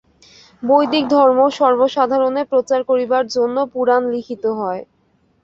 বৈদিক ধর্ম সর্বসাধারণে প্রচার করিবার জন্য পুরাণ লিখিত হয়।